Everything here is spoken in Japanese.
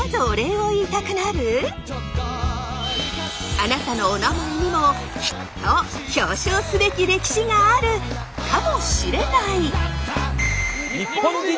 あなたのお名前にもきっと表彰すべき歴史があるかもしれない。